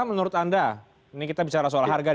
menurut anda ini kita bicara soal harga